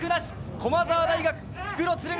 駒澤大学、復路、鶴見